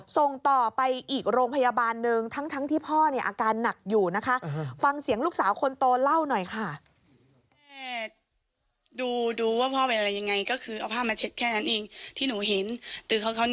ส่งต่อไปอีกโรงพยาบาลหนึ่งทั้งที่พ่ออาการหนักอยู่นะคะ